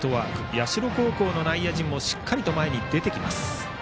社高校の内野陣もしっかりと前に出てきます。